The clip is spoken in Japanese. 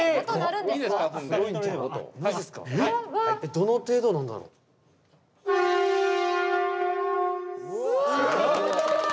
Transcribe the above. どの程度なんだろう。うわ！